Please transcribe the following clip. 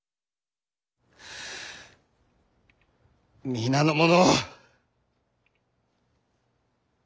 皆の者。